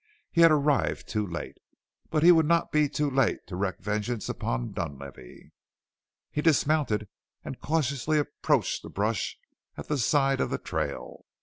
He had arrived too late. But he would not be too late to wreak vengeance upon Dunlavey. He dismounted and cautiously approached the brush at the side of the trail.